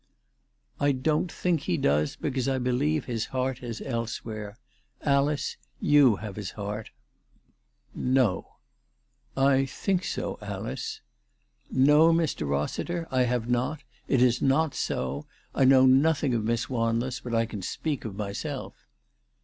" I don't think he does, because I believe his heart is elsewhere. Alice, you have his heart." 360 ALICE DUGDALE. "No." " I think so, Alice." " No, Mr. Rossiter. I have not. It is not so. I know nothing of Miss Wanless, but I can speak of myself.'